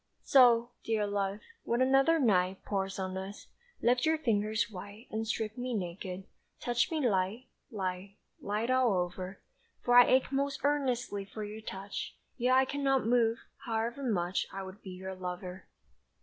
So, dear love, when another night Pours on us, lift your fingers white And strip me naked, touch me light, Light, light all over. For I ache most earnestly for your touch, Yet I cannot move, however much I would be your lover.